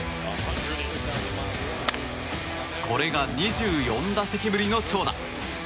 これが２４打席ぶりの長打。